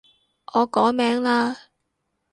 我改名嘞